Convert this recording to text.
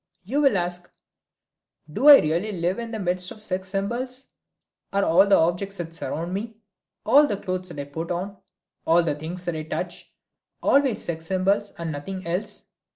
You will ask, "Do I really live in the midst of sex symbols? Are all the objects that surround me, all the clothes I put on, all the things that I touch, always sex symbols, and nothing else?"